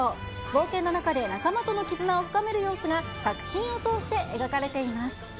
冒険の中で仲間との絆を深める様子が作品を通して描かれています。